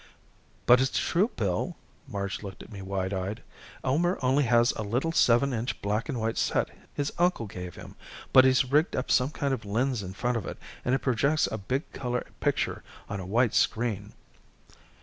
"But it's true, Bill." Marge looked at me, wide eyed. "Elmer only has a little seven inch black and white set his uncle gave him. But he's rigged up some kind of lens in front of it, and it projects a big color picture on a white screen."